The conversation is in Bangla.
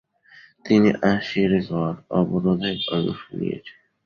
তিনি আসিরগড় অবরোধে অংশ নিয়েছেন।